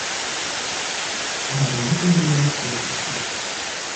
Уларҙың бөтәһендә лә күҙ йәше.